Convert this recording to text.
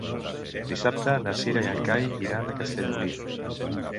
Dissabte na Cira i en Cai iran a Castellolí.